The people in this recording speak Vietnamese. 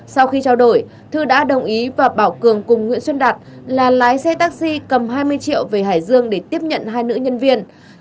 sau khi trao đổi thư đã đồng ý và bảo cường cùng nguyễn xuân đạt là lái xe taxi cầm hai mươi triệu về hải dương để tiếp nhận hai nữ nhân viên